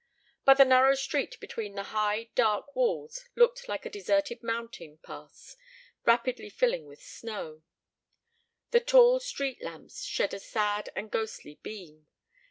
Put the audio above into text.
But the narrow street between its high dark walls looked like a deserted mountain pass rapidly filling with snow. The tall street lamps shed a sad and ghostly beam.